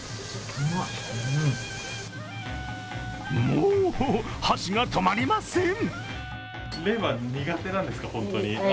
もう箸が止まりません。